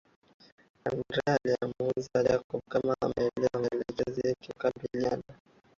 Andrea alimuuliza Jacob kama ameelewa maelekezo yake na wakakubaliana